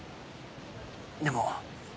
でも。